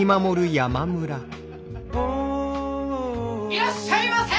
いらっしゃいませ！